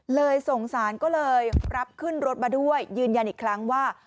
สงสารก็เลยรับขึ้นรถมาด้วยยืนยันอีกครั้งว่า